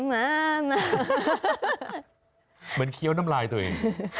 เหมือนเคี้ยวน้ำลายตัวเอง